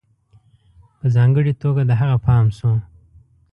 په ځانگړي توگه د هغه پام شو